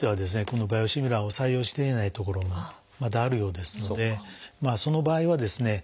このバイオシミラーを採用していない所もまだあるようですのでその場合はですね